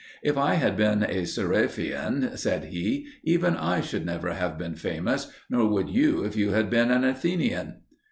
"If I had been a Seriphian," said he, "even I should never have been famous, nor would you if you had been an Athenian."